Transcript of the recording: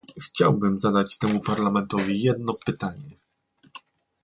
Chciałbym zadać temu Parlamentowi jedno pytanie